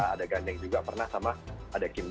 ada gandeng juga pernah sama ada kim